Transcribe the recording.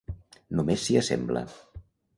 Només s'hi assembla.